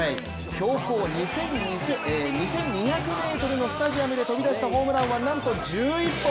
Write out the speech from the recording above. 標高２２００ｍのスタジアムで飛びだしたホームランはなんと１１本！